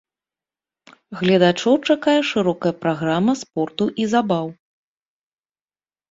Гледачоў чакае шырокая праграма спорту і забаў.